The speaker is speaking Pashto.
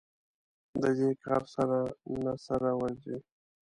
د دې کار سر نه سره ورځي.